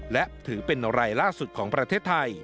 และถือเป็นรายล่าสุดของประเทศไทย